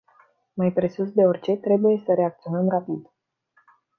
Mai presus de orice, trebuie să reacționăm rapid.